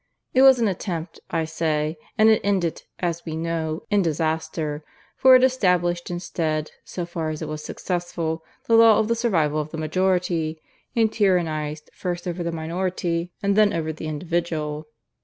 It was an attempt, I say; and it ended, as we know, in disaster; for it established instead, so far as it was successful, the law of the Survival of the Majority, and tyrannized first over the minority and then over the individual.